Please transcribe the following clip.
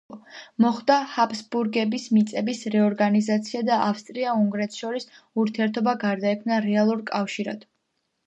მოხდა ჰაბსბურგების მიწების რეორგანიზაცია და ავსტრია–უნგრეთს შორის ურთიერთობა გარდაიქმნა რეალურ კავშირად.